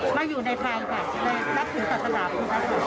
มาอยู่ในฟางและได้ถือสถานะพุทธ